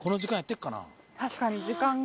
確かに時間が。